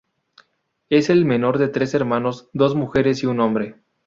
Es el menor de tres hermanos, dos mujeres y un hombre.